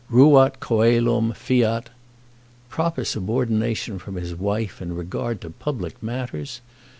Ruat coelum, fiat proper subordination from his wife in regard to public matters!